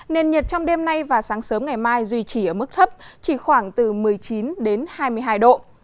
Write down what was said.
nền nhiệt trong đêm nay và sáng sớm ngày mai duy trì ở mức thấp chỉ khoảng từ một mươi chín đến hai mươi hai độ